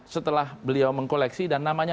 setelah beliau mengkoleksi dan namanya